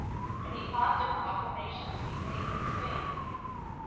And he caused a proclamation to be made of the same.